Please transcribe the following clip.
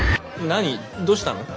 どうしたの？